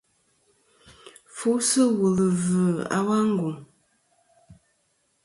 Fu sɨ̂ wùl ɨ̀ vzɨ̀ a wa ngùŋ.